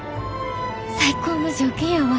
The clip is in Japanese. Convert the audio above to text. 最高の条件やわ。